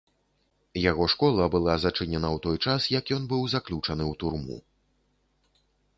Яго школа была зачынена ў той час, як ён быў заключаны ў турму.